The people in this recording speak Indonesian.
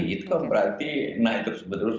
itu kan berarti naik terus menerus